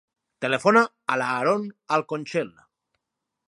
Telefona a l'Aron Alconchel.